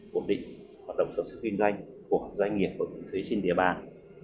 cố định hoạt động sở sức kinh doanh của doanh nghiệp và quản lý thuế trên địa bàn